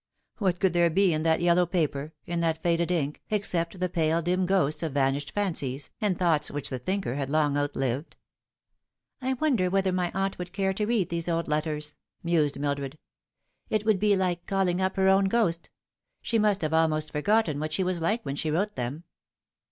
What could there be in that yellow paper, in that faded ink, except the pale dim ghosts of vanished fancies, and thoughts which the thinker had long outlived ?" I wonder whether my aunt would care to read these old letters ?" mused Mildred. " It would be like calling up her own ghost. She must have almost forgotten what she was like when she wrote them."